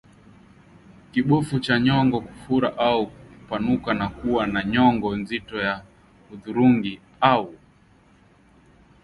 Kibofu cha nyongo kufura au kupanuka na kuwa na nyongo nzito ya hudhurungi au